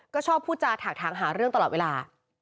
ก็ชอบพูดจาถากทางหาเรื่องตลอดเวลา